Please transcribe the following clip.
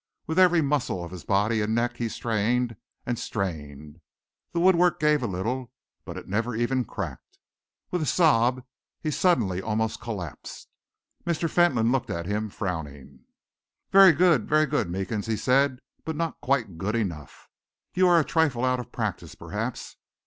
With every muscle of his body and neck he strained and strained. The woodwork gave a little, but it never even cracked. With a sob he suddenly almost collapsed. Mr. Fentolin looked at him, frowning. "Very good very good, Meekins," he said, "but not quite good enough. You are a trifle out of practice, perhaps.